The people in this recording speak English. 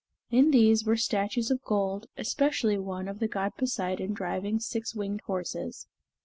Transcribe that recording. In these were statues of gold, especially one of the god Poseidon driving six winged horses.